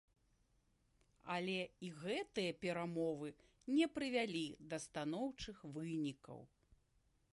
Але і гэтыя перамовы не прывялі да станоўчых вынікаў.